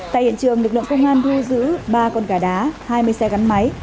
tại hiện trường lực lượng công an thu giữ ba con gà đá hai mươi xe gắn máy